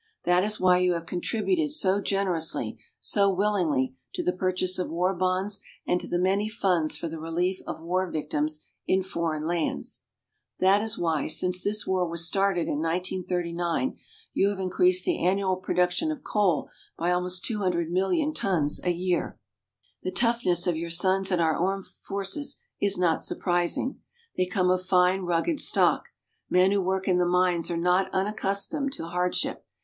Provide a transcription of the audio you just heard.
That is why you have contributed so generously, so willingly, to the purchase of war bonds and to the many funds for the relief of war victims in foreign lands. That is why, since this war was started in 1939, you have increased the annual production of coal by almost two hundred million tons a year. The toughness of your sons in our armed forces is not surprising. They come of fine, rugged stock. Men who work in the mines are not unaccustomed to hardship.